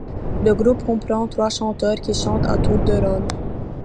Le groupe comprend trois chanteurs qui chantent à tour de rôle.